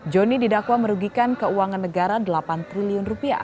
joni didakwa merugikan keuangan negara rp delapan triliun